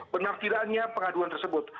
benar kiranya pengaduan tersebut